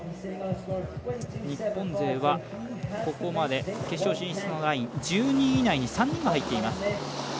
日本勢はここまで決勝進出のライン、１２人以内に３人が入っています。